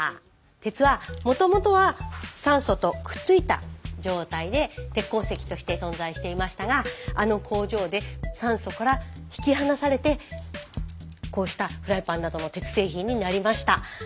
鉄はもともとは酸素とくっついた状態で鉄鉱石として存在していましたがあの工場で酸素から引き離されてこうしたフライパンなどの鉄製品になりました。